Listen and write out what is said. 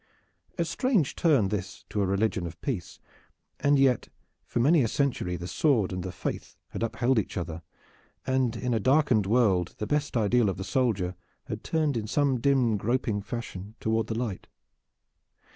A strange turn this to a religion of peace, and yet for many a century the sword and the faith had upheld each other and in a darkened world the best ideal of the soldier had turned in some dim groping fashion toward the light.